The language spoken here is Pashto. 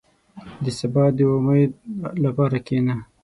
• د سبا د امید لپاره کښېنه.